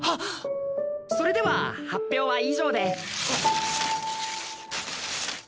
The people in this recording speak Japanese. それでは発表は以上で。